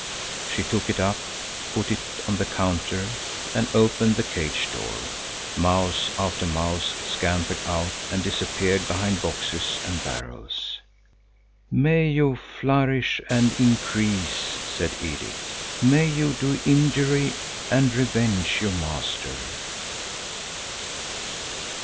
She took it up, put it on the counter, and opened the cage door. Mouse after mouse scampered out and disappeared behind boxes and barrels. "May you flourish and increase," said Edith. "May you do injury and revenge your master!"